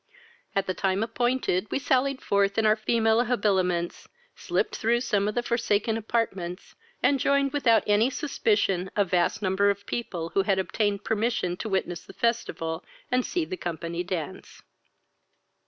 At the time appointed we sallied forth in our female habiliments, slipped through some of the forsaken apartments, and joined without any suspicion a vast number of people who had obtained permission to witness the festival, and see the company dance.